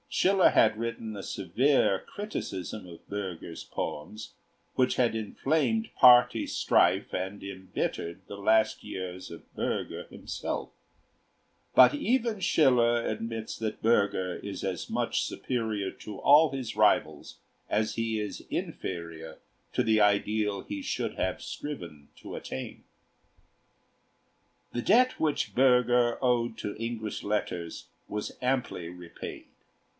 Schiller had written a severe criticism of Bürger's poems, which had inflamed party strife and embittered the last years of Bürger himself; but even Schiller admits that Bürger is as much superior to all his rivals as he is inferior to the ideal he should have striven to attain. The debt which Bürger owed to English letters was amply repaid.